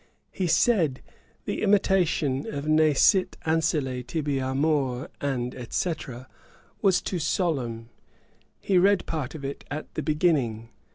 He said the imitation of Ne sit ancillæ tibi amor, &c. was too solemn; he read part of it at the beginning.